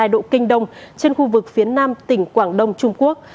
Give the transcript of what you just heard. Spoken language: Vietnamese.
một trăm một mươi một hai độ kinh đông trên khu vực phía nam tỉnh quảng đông trung quốc